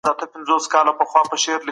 دغه هلک پرون یو خط واخیستی.